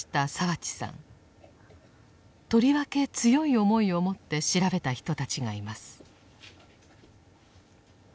とりわけ強い思いをもって調べた人たちがいます。